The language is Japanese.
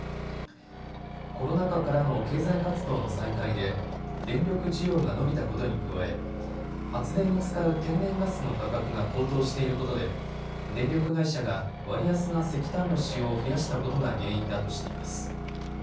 コロナ禍からの経済活動の再開で電力需要が伸びたことに加え発電に使う天然ガスの価格が高騰していることで電力会社が割安な石炭の使用を増やしたことが原因だとしています。